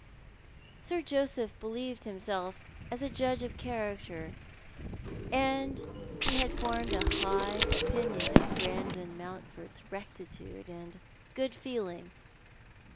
Sir Joseph believed in himself as a judge of character, and he had formed a higli opinion of Brandon Mouutford's rectitude and good feeling.